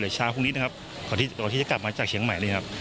เช้าพรุ่งนี้นะครับก่อนที่จะกลับมาจากเชียงใหม่เลยครับ